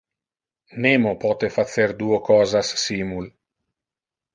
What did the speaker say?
Nemo pote facer duo cosas simul.